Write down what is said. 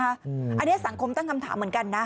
อันนี้สังคมตั้งคำถามเหมือนกันนะ